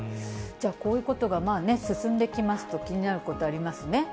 じゃあ、こういうことがまあね、進んできますと、気になることありますね。